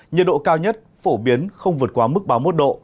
nhiệt độ cao nhất phổ biến không vượt quá mức ba mươi một độ